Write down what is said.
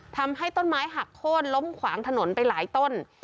ทำให้ต้นไม้หักโค้นล้มขวางถนนไปหลายต้น